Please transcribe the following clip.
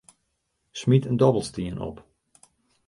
Smyt in dobbelstien op.